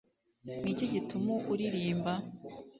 Ni iki gituma uririmba